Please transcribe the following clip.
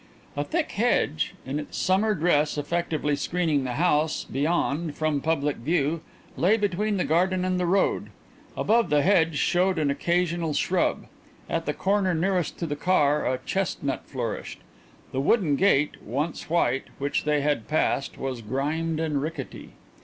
A thick hedge, in its summer dress effectively screening the house beyond from public view, lay between the garden and the road. Above the hedge showed an occasional shrub; at the corner nearest to the car a chestnut flourished. The wooden gate, once white; which they had passed, was grimed and rickety.